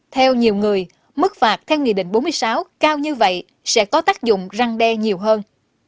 theo nhiều người mức phạt theo nghị định bốn mươi sáu cao như vậy sẽ có tác dụng răng đe nhiều hơn